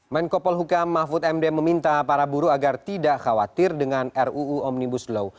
menko polhukam mahfud md meminta para buruh agar tidak khawatir dengan ruu omnibus law